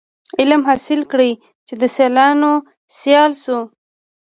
علم حاصل کړی چي د سیالانو سیال سو.